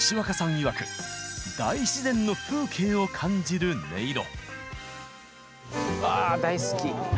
いわく大自然の風景を感じる音色。